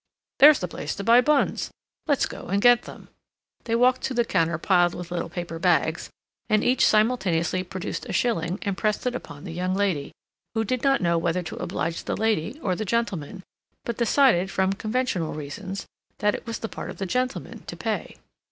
There's the place to buy buns. Let's go and get them." They walked to the counter piled with little paper bags, and each simultaneously produced a shilling and pressed it upon the young lady, who did not know whether to oblige the lady or the gentleman, but decided, from conventional reasons, that it was the part of the gentleman to pay.